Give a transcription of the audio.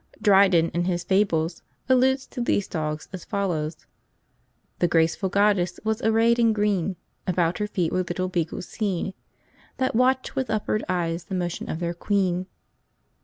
Dryden, in his "Fables," alludes to these dogs as follows: "The graceful goddess was array'd in green; About her feet were little beagles seen, That watch'd with upward eyes the motions of their queen."